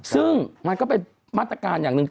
ซึ่งมันก็เป็นมาตรการอย่างหนึ่ง